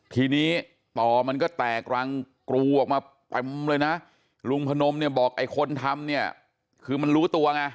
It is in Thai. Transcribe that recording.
ทีนี้ต่อมันก็แตกรังกรูออกมาเต็มเลยนะลุงพนมเนี่ยบอกไอ้คนทำเนี่ยคือมันรู้ตัวไง